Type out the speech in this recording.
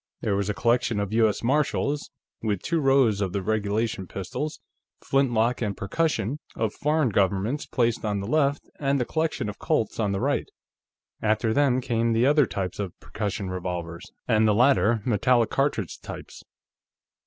There was a collection of U.S. Martials, with two rows of the regulation pistols, flintlock and percussion, of foreign governments, placed on the left, and the collection of Colts on the right. After them came the other types of percussion revolvers, and the later metallic cartridge types.